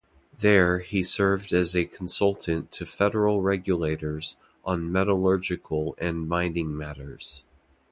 There, he served as a consultant to federal regulators on metallurgical and mining matters.